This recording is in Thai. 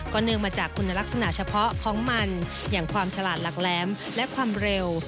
เนื่องมาจากคุณลักษณะเฉพาะของมันอย่างความฉลาดหลักแหลมและความเร็ว